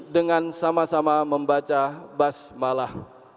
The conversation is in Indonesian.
dengan sama sama membaca basmalah